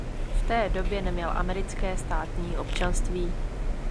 V té době neměl americké státní občanství.